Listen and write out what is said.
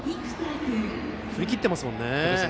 振り切っていますからね。